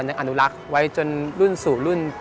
อนุรักษ์ไว้จนรุ่นสู่รุ่น